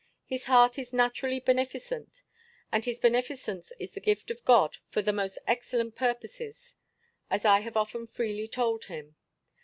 His heart is naturally beneficent, and his beneficence is the gift of God for the most excellent purposes, as I have often freely told him.